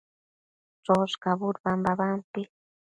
choshcabud babampi